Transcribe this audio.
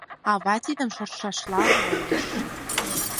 Ава тидым шортшашла ойлыш.